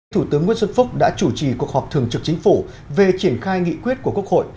thủ tướng nguyễn xuân phúc đã chủ trì cuộc họp thường trực chính phủ về triển khai nghị quyết của quốc hội